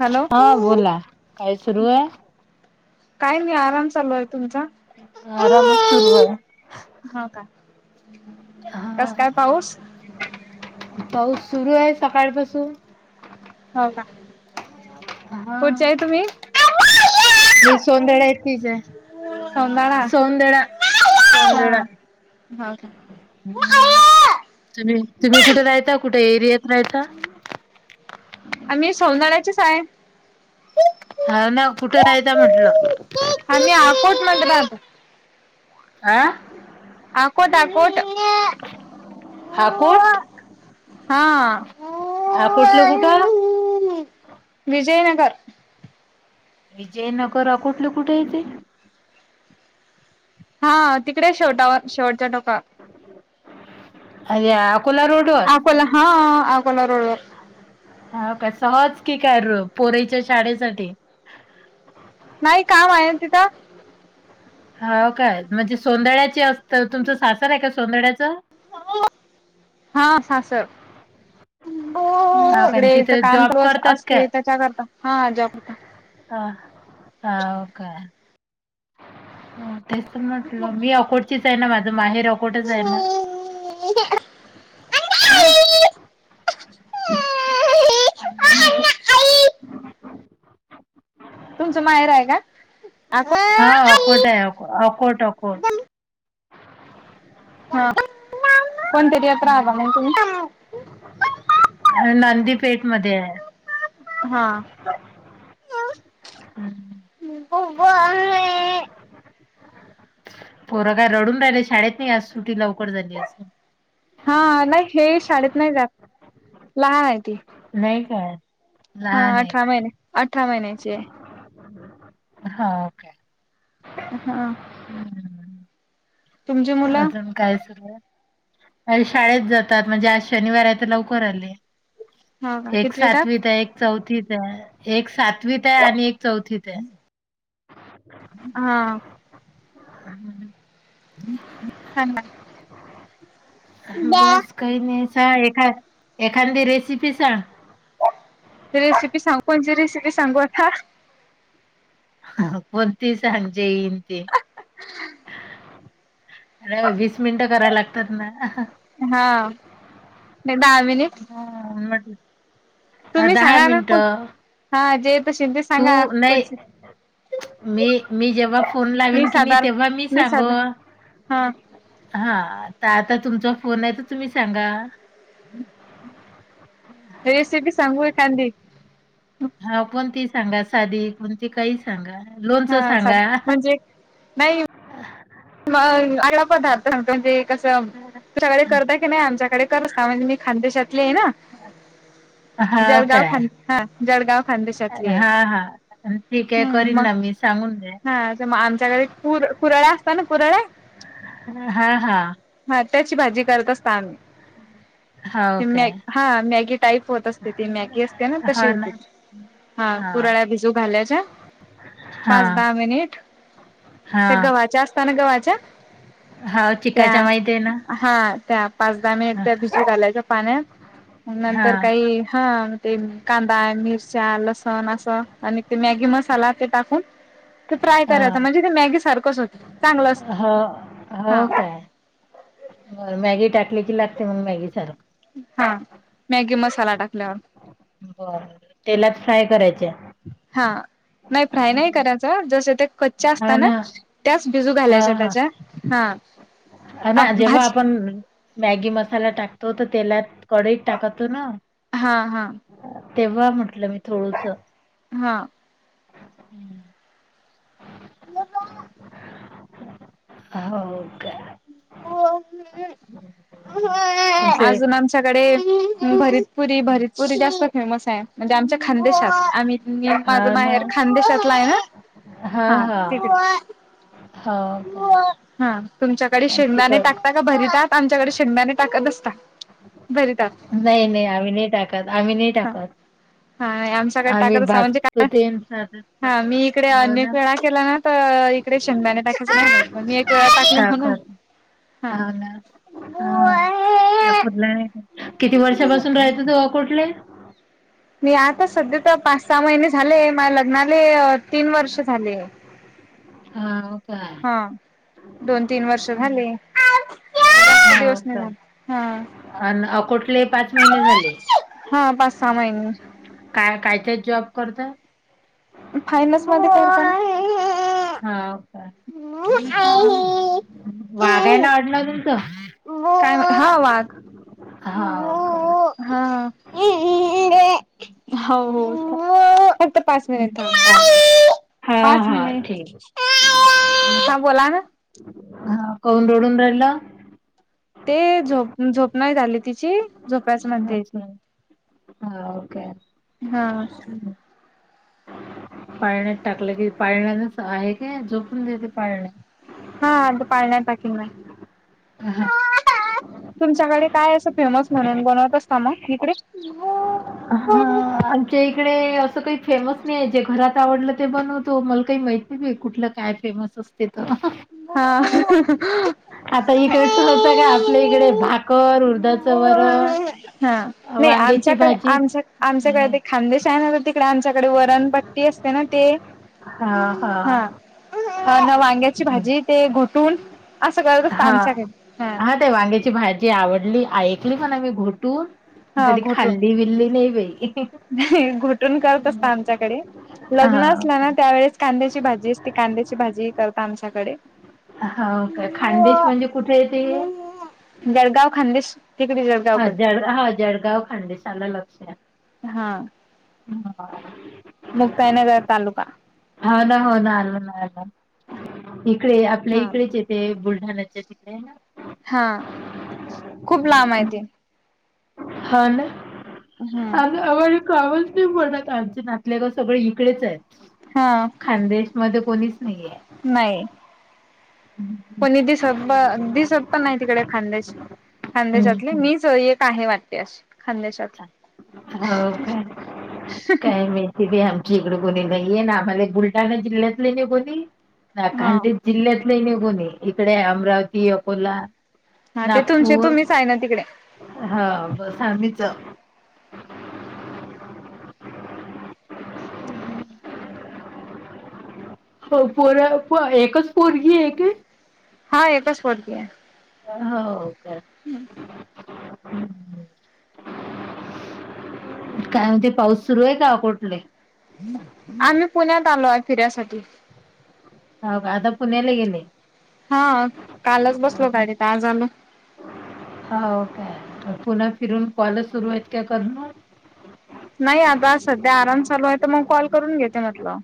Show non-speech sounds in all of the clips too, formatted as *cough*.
Hello हा बोला काय सुरू हे? काय नाही आराम चालू आहे. तुमचा? आरामच सुरू आहे हो का. कस हाहाहा, काय पाऊस पाऊस सुरू आहे सकाळपासून. हो का, हा कुठच्या आहे तुम्ही? मी सोवळ्याची आहे. सौंदाळा सौंदळा सौंदळा... हा हो का तुम्ही, तुम्ही कुठे रायता कुठे एरियात रायता? आम्ही सोधंळ्याचेच आहे. हा ना कुठे राहता म्हंटलं? आम्ही आकोट मध्ये राहतो. आ. आकोट, अकोट.... आकोठले कुठ? विजयनगर. विजयनगर आकोटले कुठे येते? हा तिकडे शेवटावर शेवटच्या टोकावर. अ या अकोला रोडवर? अकोला हा अकोला रोडवर हाव काय सहज की काय पोरेच्या शाळेसाठी? नाही काम आहेन तिथं. हाव काय म्हणजे सोंदड्याचे असत तुमचं सासर आहे का सोंदड्याच? हा सासर हाव काय? तिकडे याच तिथे काम जॉब चालू करतात असते त्याच्याकरता हा जॉबला. ह ह हाव का. हो तेच तर म्हटलं मी अकोटचीच आहे ना माझं माहेर अकोटच आहे ना. *inaudible* तुमचं माहेर आहे का अकोट? हा अकोट आहे, अकोट, अकोट. हा कोणत्या एरियात राहता मग तुम्ही? अ नांदी पेठ मध्ये आहे. हा.. हं. पोरं काय रडून राहिलं शाळेत नाही आज सुटी लवकर झाली असन. हा नाही हे शाळेत नाही जात लहान आहे ती. नाही काय. हा लहान आहे अठरा महिने, अठरा महिन्याची आहे. हा का. हा.. हम्म *inaudible* तुमची मुलं अजून काय सुरू आहे? शाळेत जातात म्हणजे आज शनिवार आहे तर लवकर आले. हो का एक कितवीतात सातवीत आहे एक चौथीच आहे एक सातवीत आहे आणि एक चौथीत. आहे. हा हम्म. *inaudible* ह ना. *unintelligible* बस काही नाही स एखा एखादी रेसिपी सांग.. रेसिपी सांग कोणची रेसिपी सांगू आता कोणतीही सांग ज येईल ते अरे वीस मिनिटं करायला लागतात ना हा नयी दहा मिनिट. ह तुम्ही दहा सांगा ना कोण मिनटं. हा जे येत अशील ते सांगा कोण. मी मी जेव्हा फोन मी लावीन की नाही साधार तेव्हा मी सांगो. साधा हा हा तर आता तुमचा फोन आहे तर तुम्ही सांगा. हम् *inaudible* रेसिपी सांगू हे एकांदी? हा कोणती सांगा साधी कोणती काही सांगा लोणचं हा सा सांगा. म्हणजे नाही म अन्न पदार्थ सांगतो म्हणजे कस सगळे करता की नाही आमच्याकडे कर म्हणजे मी खदेशातली आहे ना हां जगाव काय. ख हा जळगाव खानदेशातली आहे हा हा ठीक आहे हम्म करीन मग ना मी सांगून द्या हा तर मग आमच्याकडे पुर पुरा ' हा हा हा त्याची भाजी करत असता आमी. हो ते काय मॅग हा मॅगी टाईप होत असते ती मॅगी असते ना तशी हो ना होती. हा हां पुराळ्या भ जो घाल्याच्या पाच हां दहा मिनट ते हां गव्हाच्या असताना गव हो त्या चिकाच्या माहिती आहे ना हा त्या पाच दहा मिनिट हां त्या भिजत घालायच्या पाण्यात मग नंतर हां काही हा तेन कांदा आहे मिरच्या लसण असं आणि ते मॅगी मसाला ते टाकून ते फ्राय करायच हां. म्हणजे ते मॅगी सारखंच होत. चांगलं हो हो हा काय बर मॅगी टाकली की लागते मग मॅगी सारखं? हा मॅगी मसाला टाकल्यावर. बर तेलात फ्राय करायचे? हा नाही फ्राय नाही करायचा जस ते कच् असत ना त्याच बिजू घालायच्या त्याच्या हा अ ना जेव्हा भाजी आपण मॅगी मसाला टाकतो तर तेलात कडईत टाकतो ना? हा हा तेव्हा म्हटलं मी थोडस. हा हम्म *inaudible* ल का *unintelligible* *inaudible* हो का तुमचे *unintelligible* सगडे भरीतपुरी भरीतपुरी जास्त फेमस आहे. म्हणजे आमच्या खानदेशात आम्ही माझं हां ना. माहेर खानदेशातला आहे ना. हा हां, ते. हां. हो. काय हा तुमच्याकडे शेदाणे तिखट टाकता का भरीतात आमच्याकडे शेदाने टाकत असता. भरीतात नाही नाही आम्ही नाही टाकत आम्ही नाही हा टाकत. हा आमच्याकडे आम्ही टाकत असा म्हणजे भाजतो का ते अन् साधंच हा करतो. मी इकडे हो ना, अनेक वेळा केला ना. त इकडे शेंगदाणे टाकायचं नाही पण मी एक टाकलं हो ना. ह ना हा पूला किती वर्षापासून राहयचं त्हा कुठले? मी आता सध्या तर पाच सहा महिने झाले माझ लग्नाले तीन वर्ष झाले. हा का हा दोन तीन वर्ष झाले हा जास्त दिवस नाही का झाले हा आणि अकोटले पाच महिने झाले. हा पाच सहा महिने काय कायत जॉब करत? फायनस मध्ये करता हो ना? वागायला अडलं तुमचं? काय ह वाग हो का. हा हो हो पाच मिनिट थांब काय? हां, पाच हां. मिनिट ठीक. हं. ह बोला ना. हा कौन रडून राहिला? ते झोप झोप नाही झाली तिची झोप्याच म्हणते ती. ह ओके. हा पाळण्यात टाकलं की पाळण्याच आहे का झोपून देते पाळण्यात. हा अ पाळण्यात टिकिन पाय हा तुमच्याकडे काय असं फेमस म्हणून बनवत असता मग इकडे? हा आमच्या इकडे असं काही फेमस नाही आहे जे घरात आवडलं ते बनवतो मला काही माहित नाही कुठलं काय फेमस असते तर हा आता इकडे चचं का आपल्या इकडे भाकर उर्धचं वरण. नाही वांग्याची आमच्याकडे भाजी आम आमच्याकडे ते खांदेशा तिकडे आ त्याच्याकडे वरणपट्टी असते ना ते हा ह ना वांग्याची भाजी ते घुटून असं करत असत हा आमच्याकडे हा ते वांग्याची भाजी आवडली ऐकली म्हणा आयकली मी घुटून कधी खाली बिल्ली नाही बाई. घुटून करत असत आमच्याकडे लग्न हां असल्या ना काय त्यावेेळेस कांद्याची भाजी अस त कांद्याची भाजी करता आमच्याकडे हो काय खानदेश म्हणजे कुठे येते? जळगाव खानदे तिकडे. हा जळगावकडे जळ हा जळगाव खांदशला लक्षात. हा ह *unintelligible* *inaudible* मुक्ताईनगर तालुका हो ना हो ना आलं लक्षात इकडे ते हा आपल्याकडे ते बुलढाण्याच्या तिकडे आहे ना हा खूप लांब आहे ते. हो ना हम्म अग अहो कामच नाही पडत आमच्या नातल्याग सगळे इकडेच आहेत. हा खानदेश मध्ये कोणीच नाहीये नाही हम्म कोणी दिसत दिसत पण नाही तिकडे, खानदेश. खानदेशातले हम्म मीच एक आहे वाटते अशी खानदेशात हो काय काय मी तिे आमची इकडे बोली नाहीये ना आम्हाला बुलढाणा जिल्ह्यातले नाही बोली ना हा खांद जिल्ह्यातलं नाही कोणी इकडे अमरावती अकोला हा ते तुमचे नागपूर तुम्हीच आहे ना तिकडे हा बस आम्ही च हो पोर एकच पोरगी आहे हा एकचपर्टती आहे हो का हम्म हम्म काय म्ह ते पाऊस सुरू आहे का अकोटले आम्ही पुण्यात आलो आहे फिऱ्यासाठी हो का आता पुण्याला गेले हा कालच बसलो गाडीत आज आलो हा का पुन्हा फिरून कॉल सुरू आहेत का करण नाही आता सध्या आराम चालू आहे तर मग कॉल करून घेते म्हटलं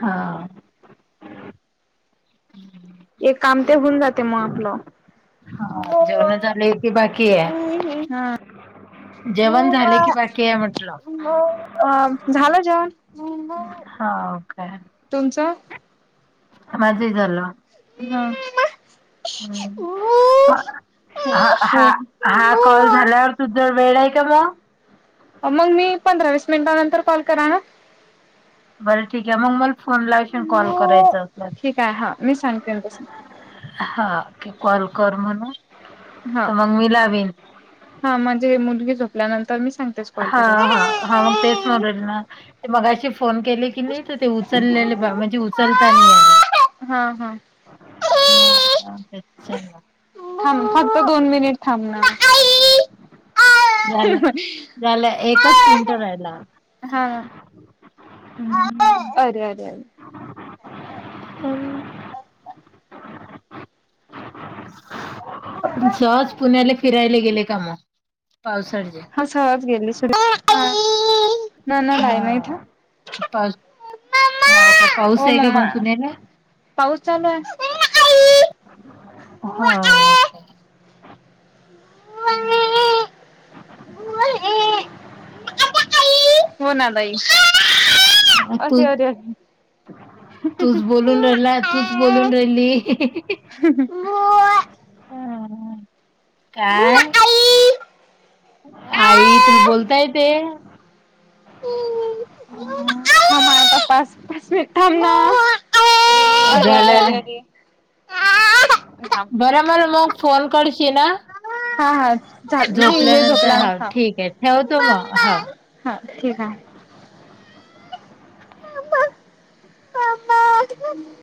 हा एक काम ते होऊन जाते मग आपलं हा जेवण झाले की बाकी आहे हा जेवण झाले की बाकी आहे म्हटलं झालं जेवण हा काे तुमचं माझही झालं हा हो ह् ह हो. हा हा कॉल झाल्यावर तु ज वेळ आहे का बा मग मी पंधरा वीस मिनिटानंतर कॉल करा ना बरं ठीक आहे मग मला फोनला लावशील कॉल करायचा असल्या ठीक आहे हा मी सांगते ना तसं हा की कॉल कर म्हणून हा तर मग मी लावीन हा म्हणजे मुलगी झोपल्यानंतर मी सांग हा हा हा मग तेच म्हल ना ते मगा अशी फोन केली कि नाही तर ते उचललेले बा म्हणजे उचलता नाही आले हा हा हा तेच थांब फक्त दोन मिनिट थांबणार झालं झालं एकच मिनिट राहाला हा अरे अरे अर हो *inaudible* सहज पुण्याला फिरायला गेले का मग पावसाळचे ह सहज गेले सुर ना ना नाहीय ना इथ हा पाऊस हो का पाऊस आहे का मग पुण्याला पाऊस चालू आहे. होा का हम्म हो नालाई तू असशी होर तूच बोलून राहिला तूच बोलून राहिली ह काय आई तुला हम्म. बोलताय ते हो अं, पा पाचठम ना झालं ना. अरे थांब बरं मला मग फोन करशील. आं? हा हा झा नाही हे झोपला न हा हां. ठीक आहे ठेवतो मग हा. हा ठीक आहे. *unintelligible*